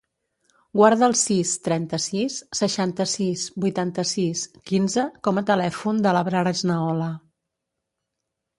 Guarda el sis, trenta-sis, seixanta-sis, vuitanta-sis, quinze com a telèfon de l'Abrar Esnaola.